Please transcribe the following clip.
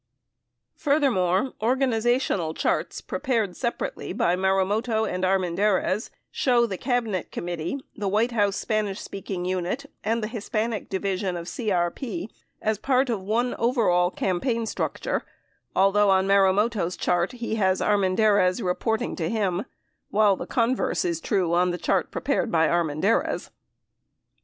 Furthermore, organizational charts prepared separately by Marumoto and Armendanz show the Cabinet Committee, the White House Spanish speaking unit and the Hispanic divsion of CEP as part of one overall campaign structure, although on Marumoto's chart he has Armendanz reporting to him while the converse is true on the chart prepared by Armendariz.